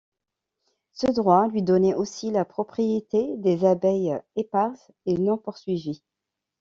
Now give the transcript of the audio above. Ce droit lui donnait aussi la propriété des abeilles éparses et non poursuivies.